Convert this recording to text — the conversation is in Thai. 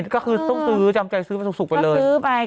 ก็คือต้องซื้อจำใจซื้อมาสุกไปเลยซื้อไป